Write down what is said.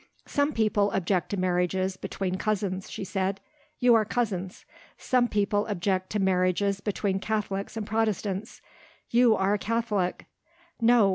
"Some people object to marriages between cousins," she said. "You are cousins. Some people object to marriages between Catholics and Protestants. You are a Catholic " No!